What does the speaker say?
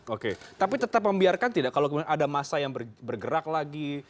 oke tapi tetap membiarkan tidak kalau kemudian ada masa yang bergerak lagi